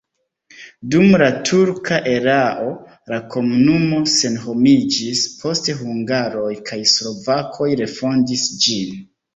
Dum la turka erao la komunumo senhomiĝis, poste hungaroj kaj slovakoj refondis ĝin.